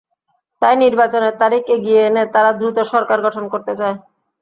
তাই নির্বাচনের তারিখ এগিয়ে এনে তারা দ্রুত সরকার গঠন করতে চায়।